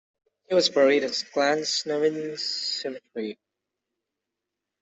He was buried at Glasnevin Cemetery.